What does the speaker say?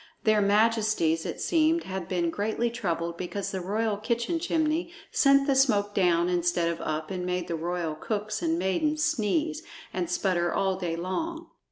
Their majesties, it seemed, had been greatly troubled because the royal kitchen chimney sent the smoke down instead of up and made the royal cooks and maidens sneeze and sputter all day long.